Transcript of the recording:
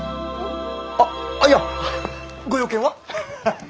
あっいやご用件は？